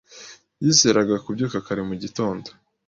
Yizeraga kubyuka kare mu gitondo.